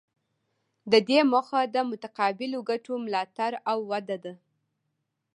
د دې موخه د متقابلو ګټو ملاتړ او وده ده